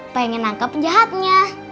pengen angkat penjahatnya